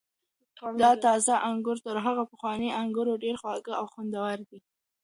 دا تازه انګور تر هغو پخوانیو انګور ډېر خوږ او خوندور دي.